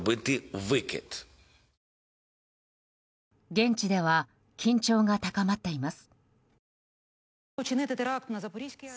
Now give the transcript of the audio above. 現地では緊張が高まっています。